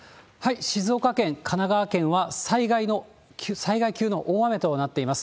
静岡県、神奈川県は災害級の大雨となっています。